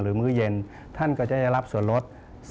มื้อเย็นท่านก็จะได้รับส่วนลด